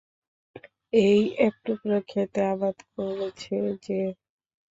এই একটুকরো ক্ষেতে আবাদ করেছে যে?